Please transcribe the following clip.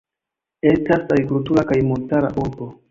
Estas agrikultura kaj montara urbo.